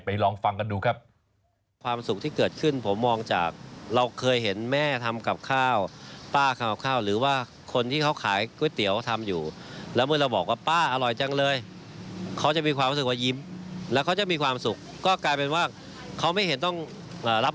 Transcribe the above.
ลองฟังกันดูครับ